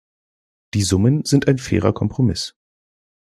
Die Summen sind ein fairer Kompromiss.